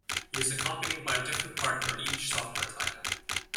He is accompanied by a different partner in each software title.